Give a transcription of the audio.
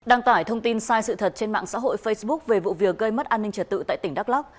đăng tải thông tin sai sự thật trên mạng xã hội facebook về vụ việc gây mất an ninh trật tự tại tỉnh đắk lắc